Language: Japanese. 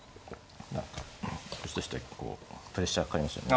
こっちとしてはプレッシャーかかりますよね。